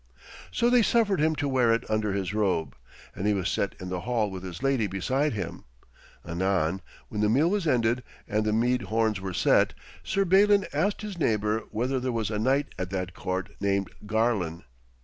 So they suffered him to wear it under his robe, and he was set in the hall with his lady beside him. Anon, when the meal was ended and the mead horns were set, Sir Balin asked his neighbour whether there was a knight at that court named Garlon.